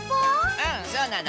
うんそうなの。